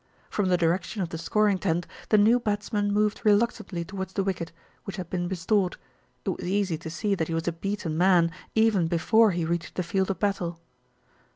From the direction of the scoring tent, the new bats man moved reluctantly towards the wicket, which had been restored. It was easy to see that he was a beaten man, even before he reached the field of battle.